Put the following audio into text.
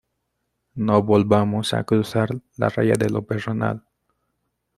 no volvamos a cruzar la raya de lo personal.